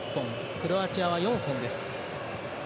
クロアチアは４本です。